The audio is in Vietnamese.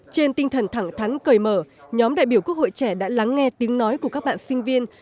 trên tinh thần thẳng thắn cởi mở nhóm đại biểu quốc hội trẻ đã lắng nghe tiếng nói của các bạn sinh viên